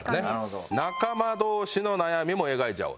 仲間同士の悩みも描いちゃおう。